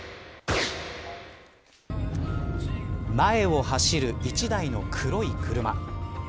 前を走る１台の黒い車。